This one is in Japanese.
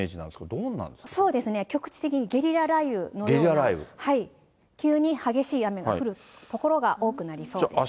どうなんでそうですね、局地的にゲリラ雷雨のような、急に激しい雨が降る所が多くなりそうです。